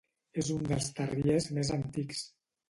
És un dels terriers més antics.